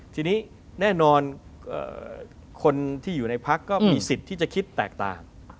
ทีนี้แน่นอนคนที่อยู่ในพักก็มีสิทธิ์ที่จะคิดแตกต่าง